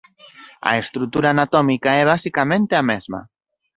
A estrutura anatómica é basicamente a mesma.